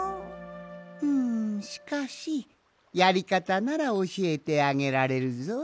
うんしかしやりかたならおしえてあげられるぞい。